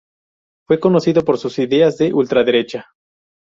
Fue conocido por sus ideas de ultraderecha.